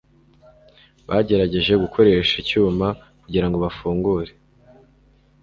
bagerageje gukoresha icyuma kugirango bafungure